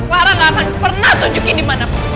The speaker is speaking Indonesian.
clara gak akan pernah tunjukin di mana pak